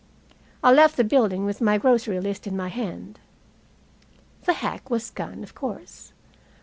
I left the building, with my grocery list in my hand. The hack was gone, of course.